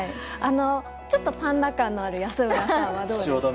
ちょっとパンダ感のある安村さんはどうですか？